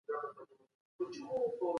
لطفا د دلایلو له لوستلو پرته پرېکړه مه کوئ.